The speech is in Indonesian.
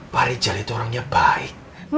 pak rijal itu orangnya baik